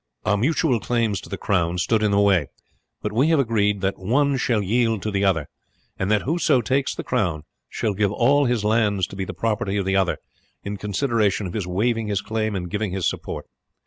Our mutual claims to the crown stood in the way, but we have agreed that one shall yield to the other, and that whoso takes the crown shall give all his lands to be the property of the other, in consideration of his waiving his claim and giving his support.